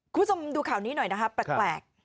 คุณผู้ชมดูข่าวนี้หน่อยนะคะแปลก